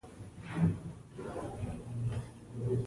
چینایي متل وایي د باران شور نړیواله ژبه ده.